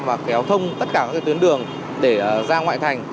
và kéo thông tất cả các tuyến đường để ra ngoại thành